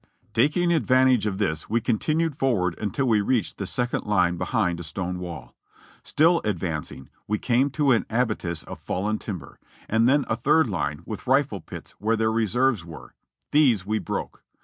"Taking advantage of this we continued forward until we reached the second Hne behind a stone wall; still advancing, we came to an abattis of fallen timber, and then a third line with rifle pits where their reserves were ; these we broke.